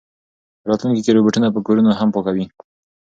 په راتلونکي کې روبوټونه به کورونه هم پاکوي.